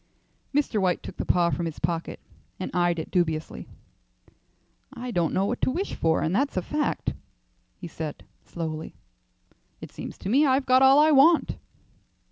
Mr. White took the paw from his pocket and eyed it dubiously. "I don't know what to wish for, and that's a fact," he said, slowly. "It seems to me I've got all I want."